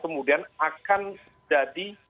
kemudian akan jadi